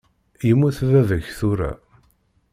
Yemmut baba-k tura.